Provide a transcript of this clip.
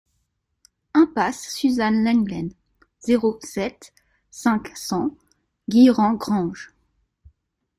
Impasse Suzanne Lenglen, zéro sept, cinq cents Guilherand-Granges